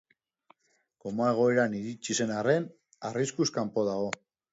Koma egoeran iritsi zen arren, arriskuz kanpo dago.